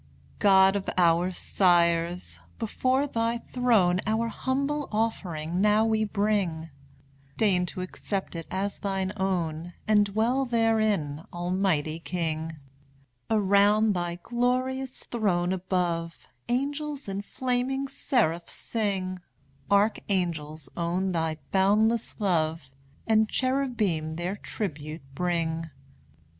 God of our sires! before thy throne Our humble offering now we bring; Deign to accept it as thine own, And dwell therein, Almighty King! Around thy glorious throne above Angels and flaming seraphs sing; Archangels own thy boundless love, And cherubim their tribute bring.